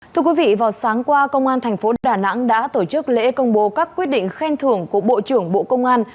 thưa quý vị vào sáng qua công an thành phố đà nẵng đã tổ chức lễ công bố các quyết định khen thưởng của bộ trưởng bộ công an